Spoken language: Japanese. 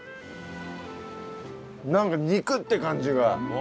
なんか肉って感じが。